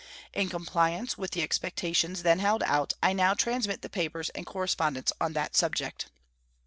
In compliance with the expectations then held out, I now transmit the papers and correspondence on that subject.